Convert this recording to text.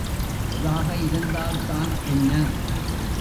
எதாக இருந்தால் தான் என்ன!